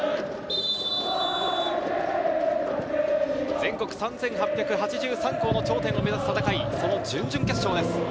全国３８８３校の頂点を目指す戦い、その準々決勝です。